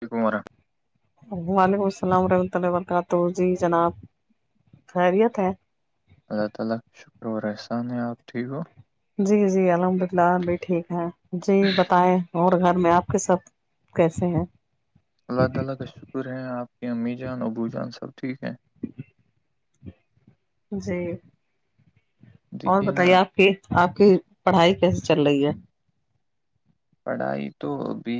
جی کمارا وعلیکم السلام ورحمتۃ اللہ وبرکاتہ جی جناب خیریت ہے اللہ تعالیٰ کا شکر اور احسان ہے آپ ٹھیک ہو جی جی الحمد للہبھی ٹھیک ہیں جی بتائیں اور گھر میں آپ کے سب کیسے ہیں اللہ تعالیٰ کا شکر ہے آپ کی امی جان ابو جان سب ٹھیک ہیں جی اور دیکھیے نا بتائیے آپ کی آپ کی پڑھائی کیسے چل رہی ہے پڑھائی تو بھی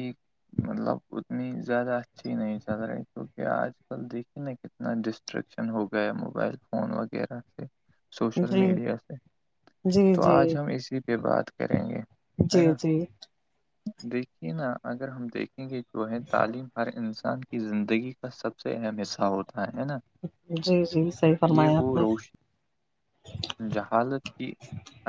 مطلب اتنی زیادہ اچھی نہیں چل رہی کیونکہ آج کل دیکھیے نا اتنا ڈسٹریکشن ہو گیا موبائل فون وغیرہ سے سوشل جی میڈیا سے جی تو جی آج ہم اسی پہ بات کریں گے ہے جی نا جی دیکھیے نا اگر ہم دیکھیں گے جو ہے تعلیم ہر انسان کہ زندگی کا سب سے اہم حصہ ہوتا ہے نا جی جی صحیح یہ فرمایا آپ وہ نے روشنی جہالت کی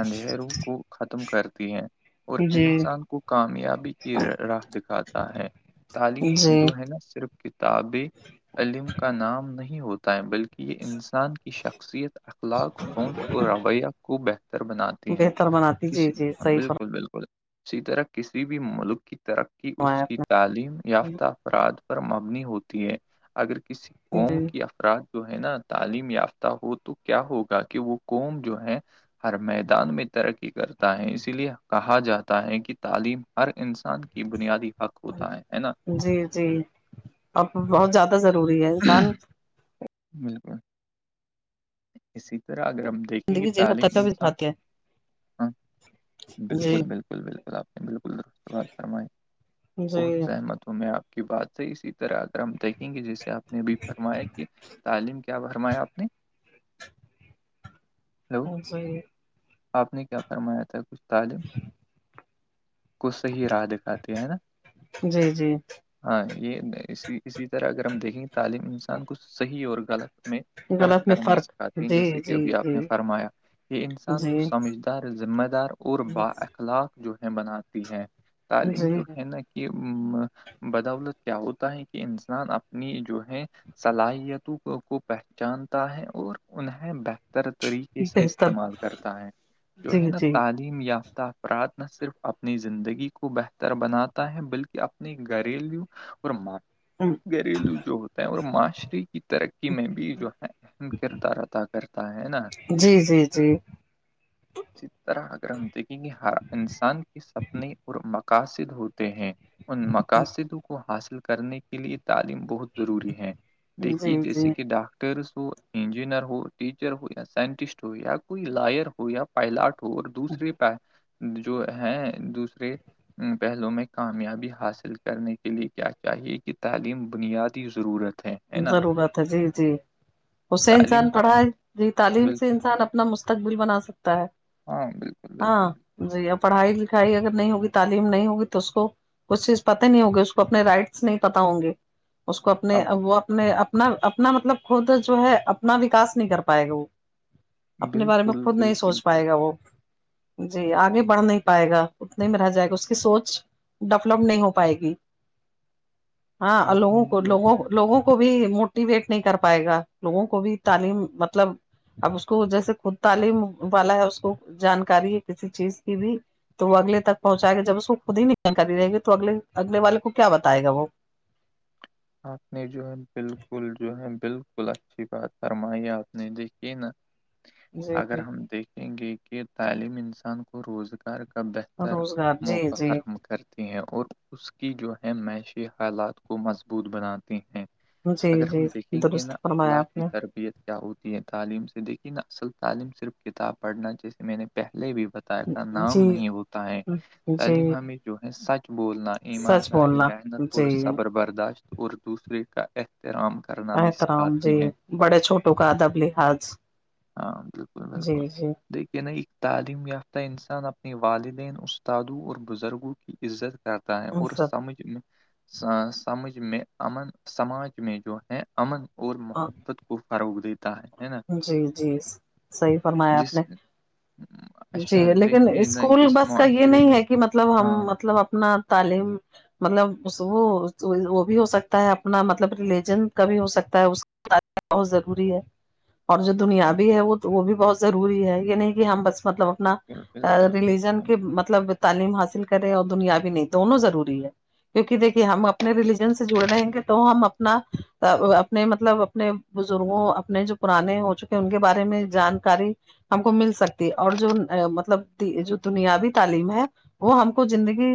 اندھیروں کو ختم کرتی ہے اور جی انسان کو کامیابی کی راہ دکھاتا ہے تعلیم جی جو ہے نا صرف تابق علم کا نام نہیں ہوتا ہے بلکہ یہ انسان کی شخصیت اخلاق سوچ اور رویہ کو بہتر بناتی ہیں بہتر بناتی جی کسی جی صحیح بالکل بالکل اسی طرح کسی بھی ملک کی ترقی فرمایا اس کی آپ تعلیم نے یافتہ افراد پر مبنی ہوتی ہے اگر کسی قوم جی کی ارات جو ہے نا تعلیم یافتہ ہو تو کیا ہوگا کہ وہ قوم جو ہے ہر میدان میں ترقی کرتا ہے اسی لیے کہا جاتا ہے کہ تعلیم ہر انسان کی بنیادی حق ہوتا ہے ہے نا جی جی اب بہت زیادہ ضروری ہے انسان بالکل اسی طرح اگر ہم دیکھیں گے زندگی جینا تعلیم تک بھی انسان دکھاتے ہاں ہیں جی بالکل بالکل بالکل آپ نے بالکل درست بات فرمائی جی بہت سہحمت ہوں میں آپ کی بات ہے اسی طرح اگر ہم دیکھیں گے جسے آپ نے بھی فرمایا کہ تعلیم کیا بھرمایا آپ نے ہیلو جی آپ نے کیا فرمایا تھا کچھ طالب کو صحی راہ دکھاتے ہیں نا جی جی ہاں یہ اسی طرح اگر ہم دیکھیں تعلیم انسان کو صحیح اور غلط میں فرق غلط میں کرنا سکھاتی ہیں جی جیسے کہ جی ابھی آپ نے جی فرمایا یہ انسان جی سمجھدار ذمہ دار اور با اخلاق جو ہے بناتی ہے تعلیم جی جو ہے نا کہ بدولت کیا ہوتا ہے کہ انسان اپنی جو ہے صلاحیتوں کو پہچانتا ہے اور انہیں بہتر طریقے سے بہتر استعمال کرتا ہے جو جی ہے نا جی تعلیم یافتہ افراد نہ صرف اپنی زندگی کو بہتر بناتا ہے بلکہ اپنے گھریلو اور جی گھریلو جو ہوتا ہے اور معاشرے کی ترقی میں بھی جو ہے اہم کردار ادا کرتا ہے نا جی جی جی اسی طرح اگر ہم دیکھیں گے ہر انسان کے سپنے اور مقاصد ہوتے ہیں ان مقاصدوں کو حاصل کرنے کے لیے تعلیم بہت ضروری ہے دیکھیے جی جیسے جی کہ ڈاکٹرس ہو انجینئر ہو ٹیچر ہو یا سائنٹسٹ ہو یا کوئی لائر ہو یا پائلاٹ ہو اور دوسرے پ جو ہے دوسرے پہلو میں کامیابی حاصل کرنے کے لئے کیا چاہیے کہ تعلیم بنیادی ضرورت ہے ہے نا ضرورت ہے جی جی اسے تعلیم انسان پڑھاائے جی تعلیم بال سے انسان اپنا مستقبل بنا سکتا ہے ہاں بالکل بالکل ہاں جی پڑھائی لکھائی اگر نہیں ہوگی تعلیم نہیں ہوگی تو اس کو کچھ چیز پتے نہیں ہوگی اس کو اپنے رائٹس نہیں پتا ہوں گے اس کو اپنے اب وہ اپنے اپنا اپنا مطلب خود جو ہے اپنا وکاس نہیں کر پائے گا وہ اپنے بارے میں بالکل خود نہیں بالکل سوچ بالکل پائے گا وہ جی آگے بڑھ نہیں پائے گا اتنے میں رہ جائے گا اس کی سوچ ڈیولپ نہیں ہو پائے گی ہاں آپ لوگوں نے کو جو لوگوں ہے لوگوں کو کو بھی موٹیویٹ نہیں کر پائے گا لوگوں کو بھی تعلیم مطلب اب اس کو جیسے خود تعلیم والا ہے اس کو جانکاری ہے کسی چیز کی بھی تو وہ اگل تک پہنچائے گا جب اس وہ خود ہی نہیں جانکاری رہے گی تو اگلے اگلے والے کو کیا بتائے گا وہ آپ نے جو ہے بالکل جو ہے بالکل اچھی بات فرمائی آپ نے دیکھی نا جی اگر ہم دیکھ گے کہ تعلیم انسان کو روزگار کا بہتر روزگار جی موقع جی فراہم کر ہیں اور اس کی جو ہے معیشی حالات کو مضبوط بناتی ہیں جی اگر ہم جی دیکھیں گے درست نا فرمایا الا آپ کی نے تربیت کیا ہوتی ہے تعلیم سے دیکھیے نا اصل تعلیم صرف کتاب پڑھنا جیسے میں نے پہلے بھی بتا کا نام جی نہیں ہوتا ہے تعلیم جی ہمیں جو ہے سچ بولنا سچ ایمانداری بولنا محنت اور جی صبر برداشت اور دوسرے کا احترام کر احترام جی بڑے چھوٹوں کا ادب لحاظ ہاں بالکل جی بالکل جی دیکھی نا ایک تعلیم یافتہ انسان اپنے والدین استادوں اور بزرگوں کی عزت کرتا ہے ان اور سب سمج میں سمجھ میں امن سماج میں جو ہے امن اور ہاں محبت فروغ دیتا ہے نا جی جی صحیح فرمایا آپ نے جس جی اچھا لیکن دیکھیے نا اسکول جس بس کا یہ معاشرے نہیں میں ہے کہ مطلب ہم ہاں مطلب اپنا تعلیم مطلب وہ وہ بھی ہو سکتا ہے اپنا مطلب ریلیجن کا بھی ہو سکتا ہے بہت ضروری ہے اور جو دنیا بھی بالکل ہے وہ وہ بھی بہت ضروری ہے یہ نہیں کہ ہم بس مطلب اپنا بالکل ریلیجن بالکل کہ مطلب تعلیم حاصل کرے اور دنیا بھی نہیں دونوں ضروری ہے کیونکہ دیکھیے ہم اپنے ریلیجن سے جڑ رہیں گے تو ہم اپنا اپنے مطلب اپنے بزرگوں اپنے جو پرانے ہو چکے ان کے بارے میں جانکاری ہم کو مل سکتی اور جو مطلب جو دنیاوی تعلیم ہے وہ ہم کو زندگی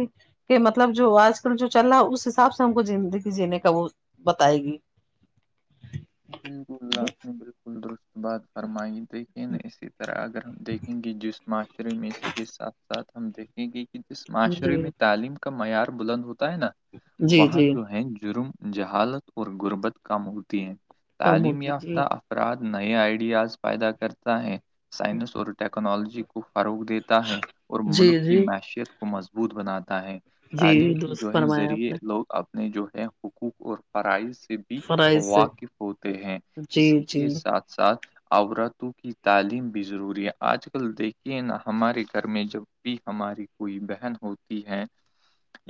کہ مطلب جو آج کل جو چل رہا اس حساب سے ہم کو زندگی جینے کا وہ بتائے گی بالکل آپ نے بالکل درست بات فرمائی لیکن اسی طرح اگر ہم دیک گے جس معاشرے میں اسی کے ساتھ ساتھ ہم دیکھیں گے کہ جس معاشرے جی میں تعلیم کا معیار بلند ہوتا ہے نا جی وہاں جی جو ہے جرم جہالت اور غربت کم ہوتی ہے کم تعلیم ہوتی جی یافتہ اپر نئے آئیڈیاز پیدا کرتا ہے سائنس اور ٹیکنالوجی کو فروغ دیتے ہے اور جی ملک کی جی معیشیت کو مضبوط بناتا ہے جی تعلیم کی درست جو ہے فرمایا آپ ذریعے نے لوگ اب جو ہے حقوق اور فرائض سے بھی فرائض سے واقف ہوتے ہیں جی اسی جی کے ساتھ ساتھ عورتوں کی تعلیم بھی ضروری ہے آج کل دیکھیے نا ہمارے گھر میں جب بھی ہماری کوئی بہن ہوتی ہے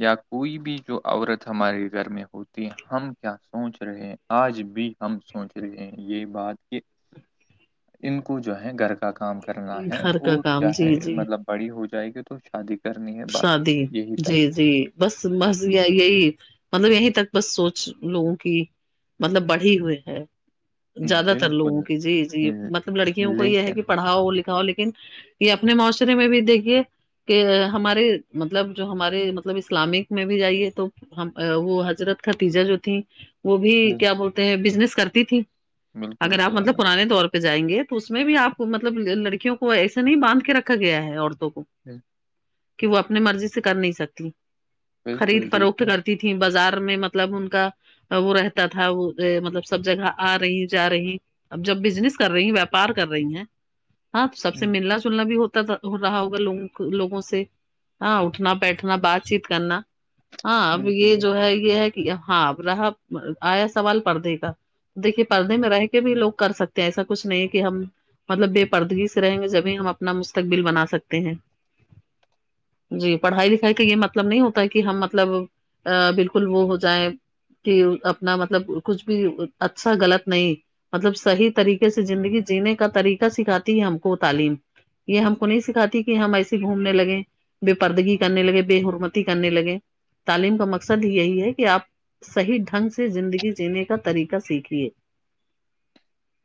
یا کوئی بھی جو عورت ہمارے گھر میں ہوتی ہے ہم کیا سوچ رہے ہیں آج بھی ہم سوچ رہے ہیں یہ بات کہ ان کو جو ہے گھر کا کام کرنا ہے گھر کا اور کام چاہے جی جی مطلب بڑی ہو جائے گی تو شادی کا شادی جی جی بس یہیں مطلب یہیں تک بس سوچ لوگوں کی مطلب بڑھی ہوئی ہے زیادہ تر لوگوں بالکل کی جی جی ل- مطلب لڑکیوں کو یہ ہے لیکن کہ پڑھاؤ لکھاؤ لیکن یہ اپنے معاشرے میں بھی دیکھیے کہ ہمارے مطلب جو ہمارے مطلب اسلامک میں بھی جائیے تو وہ حضرت کاتیجا جو تھیں وہ بھی بال- کیا بولتے ہیں بزنس کرتی تھی بالکل اگر آپ سبحان مطلب اللہ، پرانے طور پر پہ جائیں گے تو اس میں بھی آپ کو مطلب لڑکیوں کو ایسے نہیں باندھ کے رکھا گیا ہے عورتوں کو جی کہ وہ اپنی مرضی سے کر نہیں سکتی بالکل خرید فروخت دیکھیے کر تھیں بازار میں مطلب ان کا وہ رہتا تھا وہ مطلب سب جگہ آ رہی جا رہی اب جب بزنس کر رہی ہیں ویاپار کر رہی ہیں ہاں تو سب سے ہم، ملنا سلنا بھی ہوتا ہو رہا ہوگا لوگ کو لوگوں سے سے ہاں اٹھنا بیٹھنا بات چیت کرنا ہاں اب بالکل یہ جو بالکل ہے یہ ہے کہ ہاں رہا آیا سوال پردے کا دیکھیے پردے میں رہ کے بھی لوگ کر سکتے ہیں ایسا کچھ نہیں ہے کہ ہم مطلب بے پردگی سے رہیں گے جبھی ہم اپنا مستقبل بنا سکتے ہیں جی پڑھائی لکھائی کا یہ مطلب نہیں ہوتا ہے کہ ہم مطلب بالکل وہ ہو جائیں کہ اپنا مطلب کچھ بھی اچھا غلط نہیں مطلب صحیح طریقے سے زندگی جینے کا طریقہ سکھاتی ہے ہم کو تعلیم یہ ہم کو نہیں سکھاتتی کہ ہم ایے گھومنے لگے ل بے پرردگی کرنے لگے بےحرمتی کرنے لگے تعلیم کا مقصد یہی ہے کہ آپ صحیح ڈھنگ سے زندگی جینے کا طریقہ سیکھیے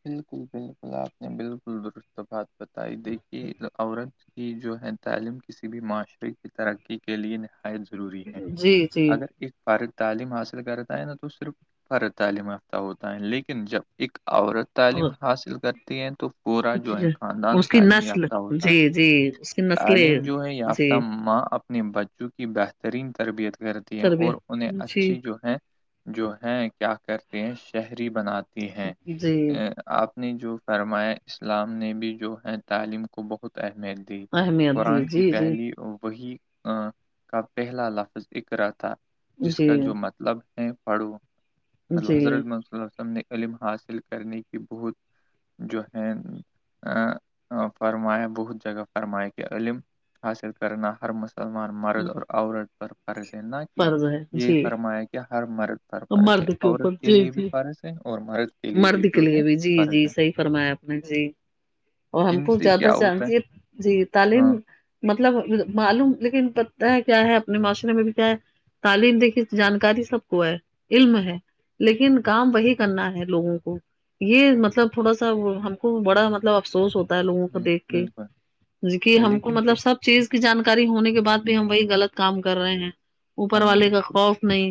بالکل بالکل آپ نے بالکل درست بات بتائی دیکھیے اورنگ یہ جو ہے تعلیم کسی بھی معاشرے کی ترقی کے لیے نہا ضروری ہے جی جی اگر ایک فارغ تعلیم حاصل کرتا ہے نہا تو صرف ف تعلیم یافتہ ہوتا ہے لیکن جب ایک عورت تعلیم اور حاصل کر ہیں تو پورا جو ہے خاندان اس کی تعلیم نسل یافتہ ہوتا ہے جی جی اس کی نسلیں تعلیم جو ہے یافہ جی ت اپنے بچوں کی بہترین تربیت کرتی ہے اور تربیت انہیں جی اچھی جو ہے جو ہے کیا کرتے ہیں شہری بناتی ہیں جی اے، آپ نے جو فرمایا اسلام نے بھی جو ہے تعلیم کو بہت اہمیت دییا دی اہمیت دی قرآن کی جی جی پہلی وہی کا پہلا لفظ اک رہا تھا جس کا جی جو مت مطلب پاڑو مطلب جی حضرت م وس نے علم حاصل کرنے کی بہت جو ہے فرمایا بہت جگہ فرماائے کہ علم حاصل کرنا ہر مسئ سلمان مرد اور عورت پر پرض ہے نہ کہ فرض ہے یہ جی فرمایا کہ ہر مرد پر فرض ہے مرد عورت اوپر کے جی لیے بھی فرض ہے اور مرد کے لیے بھی نک جو لیے ہے بھی جی جی فرض ہے صحی فرمایا اپپ نے جی اور ہم کو جنسی زیادہ کیا ہوتا چانتی ہے جی تعلیم ہاں مطلب معلوم لیکن پتہ ہے کیا ہے اپنے معاشرے میں بھی کیا ہے تعلیم دیکھی جانکاری سب کو ہے علم ہے لیکن کام وہی کرنا ہے لوگوں کو یہ مطلب تھوڑا سا ہم کو بڑا مطلب افسوس ہوتا لوگوں کو ہوں، دیکھ کے بالکل جک ہم کو لیکن کہ مطلب سب چیز کی جانکاری ہونے کے بعد بھی ہم وہی غلط کام کر رہے ہیں اوپر ہاں والے کا بالکل خوف نہیں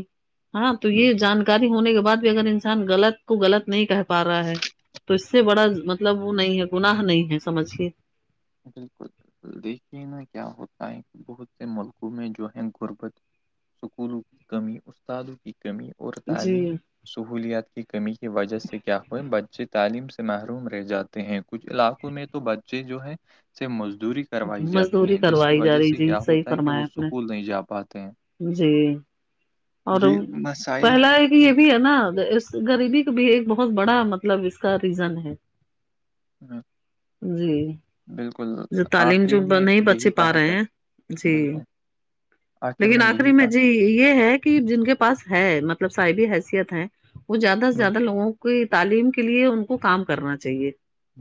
ہاں تو یہ بال- جان کاری ہونے کے بعد بھی اگر انسان غلط کو غط نہیں کہ پا رہا ہے تو اس سے بڑا مطلب مطلب وہ نہیں ہے گناہ نہیں ہے سمجھیے بالکل دیکھیے نا کیا ہوتا ہے بہت سے ملکوں میں جو ہے غربت سکولوں کی کمی استادوں کی کمی اور جی تعلیم سہولیات کی کمی کی وجہ سے کیا ہوئے بچے تعلیم سے محروم رہ جات ہیں کچھ علاقوں میں تو بچے جو ہے سے مزدوری کروائی جاتی مزدوری ہیں جس کی کروائی جا وجہ رہی سے جی کیا صحیح ہوتا ہے کہ وہ فرمایا آپ نے سکول نہیں جا پاتے ہیں جی اور یہ مسائل پہلا ہے کہ یہ بھی ہے نا غریبی کا بھی ایک بہت بڑا مطلب اس کا ریزن ہے ہاں جی جو تعلیم جو آخری میں نہیں بچے یہی پا کہا رہے جا ہیں جی بالکل آخر لیکن آخری یہی میں کہا جی یہ ہے کہ جن کے پاس ہے مطلب صاحبی حیثیت ہے وہ زیادہ سے زیادہ بالکل لوگوں کو کو تعلیم کے لیے ان کو کام کرنا چاہیے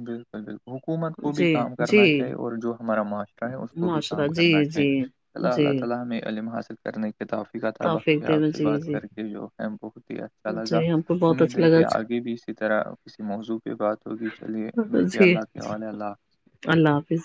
بالکل بالکل حکومت کو بھی جی کام جی کرنا چاہیے اور جو ہمارا معاشرہ ہے اس کو بھی معاشرہ کام جی کرنا چاہیے جی اللہ جی اللہ تعالی میں علم حاصل کرنے کتافی کا تابق توفیق آپ دینا سے جی بات جی کر کے جو ہے بہت ہی اچھا لگا جی ہم کو بہت امید ہے اچھا کہ لگا آگے بھی اسی طرح کسی موضوع پہ بات ہوگی چلیے بیکھیے جی اللہ کےال اللہ اللہ حافظ